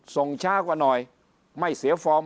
ช้ากว่าหน่อยไม่เสียฟอร์ม